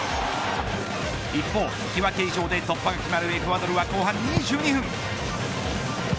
一方、引き分け以上で突破が決まるエクアドルは後半２２分。